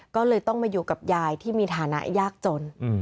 ก็เลยต้องมาอยู่กับยายที่มีฐานะยากจน